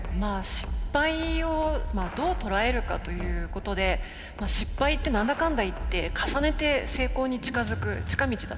失敗をどう捉えるかということで失敗って何だかんだいって重ねて成功に近づく近道だと思ってるので。